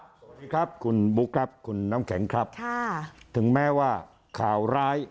สวัสดีครับคุณบุ๊คครับคุณน้ำแข็งครับค่ะถึงแม้ว่าข่าวร้าย